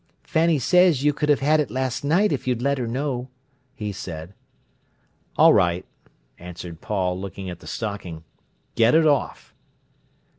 "Fanny says you could have had it last night if you'd let her know," he said. "All right," answered Paul, looking at the stocking. "Get it off."